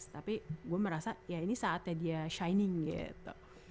tapi gue merasa ya ini saatnya dia shining gitu